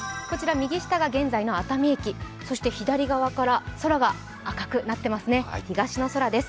右下が現在の熱海駅、そして左側から空が赤くなっていますね、東の空です。